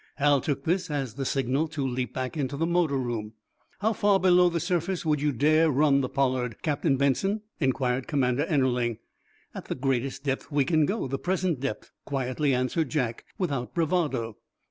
Hal took this as the signal to leap back into the motor room. "How far below the surface would you dare run the 'Pollard,' Captain Benson?" inquired Commander Ennerling. "At the greatest depth we can go, the present depth," quietly answered Jack, without bravado.